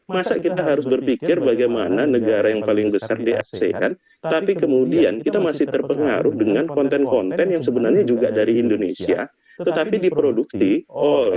masa kita harus berpikir bagaimana negara yang paling besar di asean tapi kemudian kita masih terpengaruh dengan konten konten yang sebenarnya juga dari indonesia tetapi diproduksi oleh